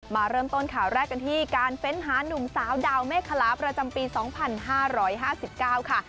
มาเริ่มต้นข่าวแรกกันที่การเฟ้นหานุ่มสาวดาวเมฆคลาประจำปี๒๕๕๙ค่ะ